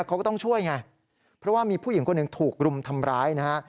เขาก็ต้องช่วยไงเพราะว่ามีผู้หญิงคนหนึ่งถูกรุมทำร้ายนะฮะ